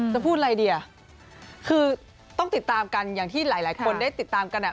พูดอะไรดีอ่ะคือต้องติดตามกันอย่างที่หลายคนได้ติดตามกันอ่ะ